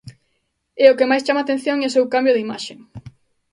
E o que máis chama a atención é o seu cambio de imaxe.